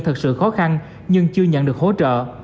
thật sự khó khăn nhưng chưa nhận được hỗ trợ